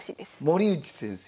森内先生。